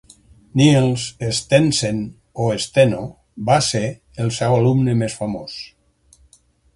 Niels Stensen o Steno va ser el seu alumne més famós.